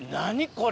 これ。